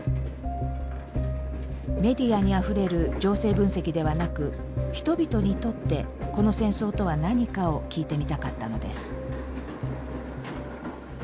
メディアにあふれる情勢分析ではなく人々にとってこの戦争とは何かを聞いてみたかったのです。